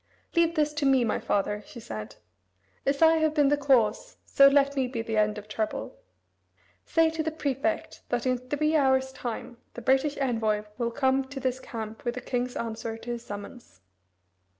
"Leave this to me, my father," she said. "As I have been the cause, so let me be the end of trouble. Say to the prefect that in three hours' time the British envoy will come to his camp with the king's answer to his summons."